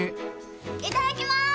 いただきます。